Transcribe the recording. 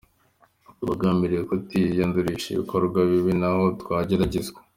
Tugambirire kutiyandurisha ibikorwa bibi naho twageragezwa.